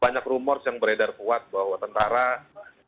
banyak rumor yang beredar kuat bahwa tentara ada di kelompok yang sama